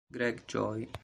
Greg Joy